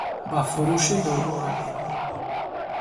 Ба фурӯши дору равем.